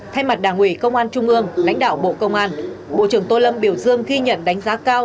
thay mặt đảng ủy công an trung ương lãnh đạo bộ công an bộ trưởng tô lâm biểu dương khi nhận đánh giá cao